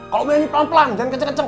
kalau main pelan pelan jangan keceng keceng